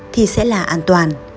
thì sẽ là an toàn